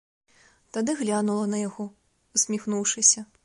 Тады глянула на яго, усміхнуўшыся.